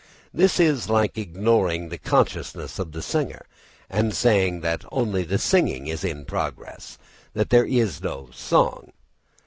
This is like ignoring the consciousness of the singer and saying that only the singing is in progress, that there is no song.